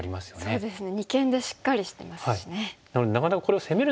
そうですね。